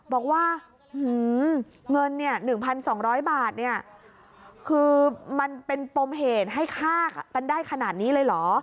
บอกว่าหือเงินเนี่ยหนึ่งพันสองร้อยบาทเนี่ยคือมันเป็นปมเหตุให้ฆ่ากันได้ขนาดนี้เลยเหรอ